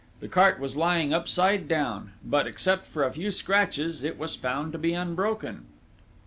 The cart was lying upside down; but, except for a few scratches, it was found to be unbroken.